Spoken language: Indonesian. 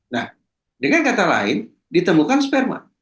nah dengan kata lain ditemukan sperma